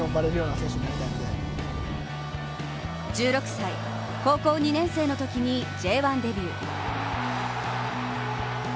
１６歳、高校２年生のときにＪ１デビュー。